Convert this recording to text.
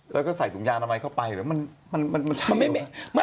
แล้วก็ใส่ตุ๋มยานามัยเข้าไปหรือมันใช้อยู่หรือ